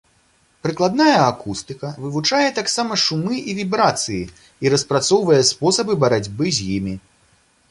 Прыкладная акустыка вывучае таксама шумы і вібрацыі і распрацоўвае спосабы барацьбы з імі.